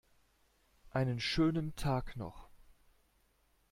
Einen schönen Tag noch!